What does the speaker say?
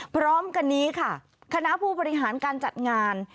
พร้อมกันนี้ค่ะคณะผู้บริหารการจัดงาน